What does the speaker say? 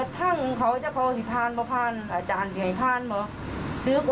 เอยจังหัวเครื่อนหนีมันบอกว่ามันลับตาประดัทเลย